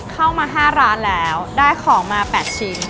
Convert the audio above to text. เข้ามา๕ร้านแล้วได้ของมา๘ชิ้น